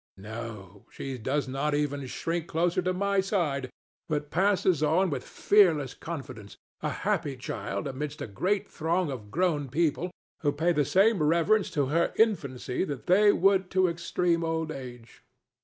No; she does not even shrink closer to my side, but passes on with fearless confidence, a happy child amidst a great throng of grown people who pay the same reverence to her infancy that they would to extreme old age.